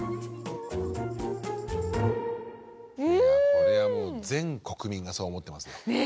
これはもう全国民がそう思ってますね。